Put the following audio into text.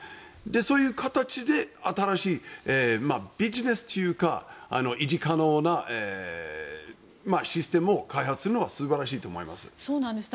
そういう形で新しいビジネスというか維持可能なシステムを開発するのは素晴らしいと思います。